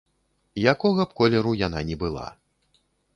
Якога б колеру яна ні была.